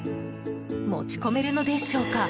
持ち込めるのでしょうか？